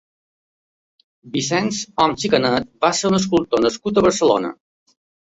Vicenç Oms i Canet va ser un escultor nascut a Barcelona.